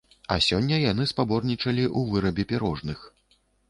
А сёння яны спаборнічалі ў вырабе пірожных.